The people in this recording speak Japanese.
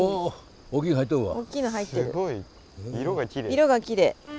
色がきれい。